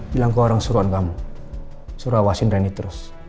bilang ke orang suruhan kamu suruh awasin rendy terus